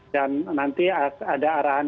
dan nanti ada arahan